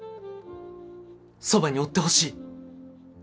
そばにおってほしい。